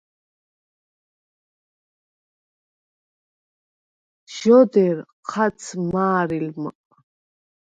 ჟ’ოდერ ჴაც მა̄რილმჷყ.